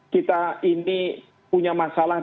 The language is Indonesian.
kita ini punya masalah